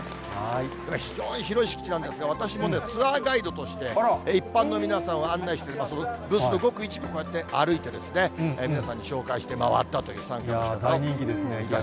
これ、非常に広い敷地なんですが、私もね、ツアーガイドとして、一般の皆さんを案内して、ブースのごく一部をこうやって歩いてですね、皆さんに紹介して回大人気ですね、木原さん。